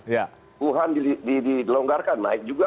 wuhan dilonggarkan naik juga